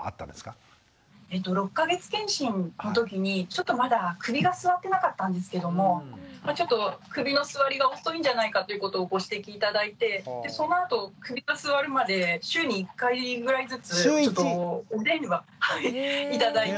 ６か月健診のときにちょっとまだ首がすわってなかったんですけどもちょっと首のすわりが遅いんじゃないかということをご指摘頂いてそのあと首がすわるまで週に１回ぐらいずつお電話頂いて。